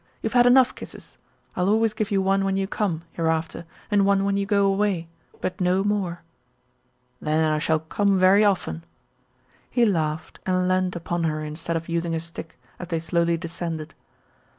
You've had enough kisses. I'll always give you one when you come, hereafter, and one when you go away, but no more." "Then I shall come very often." He laughed and leaned upon her instead of using his stick, as they slowly descended.